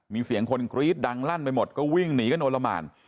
มีเสียงคนกรี๊ดดังลั่นไปหมดก็วิ่งหนีกันโอละหมาน